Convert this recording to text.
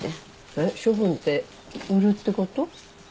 えっ処分って売るってこと？